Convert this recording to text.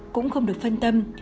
cũng không được phân tâm